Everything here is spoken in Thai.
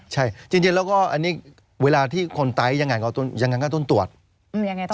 ใช่จริงแล้วก็อันนี้เวลาที่คนไต๊ยังไงก็ต้องตรวจ